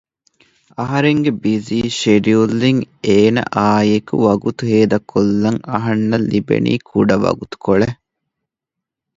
އަހަރެންގެ ބިޒީ ޝެޑިއުލްއިން އޭނައާއިއެކު ވަގުތު ހޭދަކޮށްލަން އަހަންނަށް ލިބެނީ ކުޑަ ވަގުތުކޮޅެއް